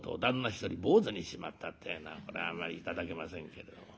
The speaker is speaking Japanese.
一人坊主にしちまったってえのはこれはあまり頂けませんけれども。